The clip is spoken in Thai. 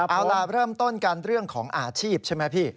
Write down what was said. เอาล่ะเริ่มต้นกันเรื่องของอาชีพใช่ไหมพี่